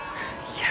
いや。